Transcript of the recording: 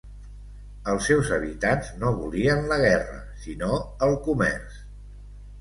Els seus habitants no volien la guerra sinó el comerç.